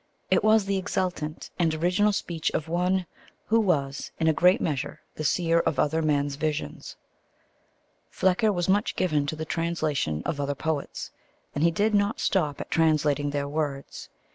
It was the exultant and original speech of one who was in a great measure the seer of other men's visions. Flecker was much given to the translation of other poets, and he did not stop at translating their words.